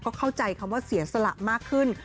ก็เข้าใจคำว่าเสียสละมากขึ้น